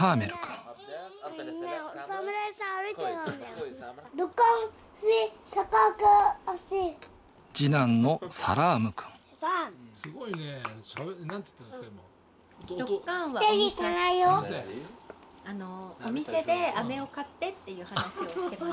あのお店であめを買ってっていう話をしてました。